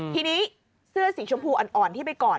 ทีนี้เสื้อสีชมพูอ่อนที่ไปกอด